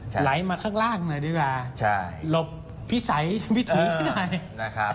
ไหลมาข้างล่างหน่อยดีกว่าหลบพี่สัยพี่ถูกหน่อย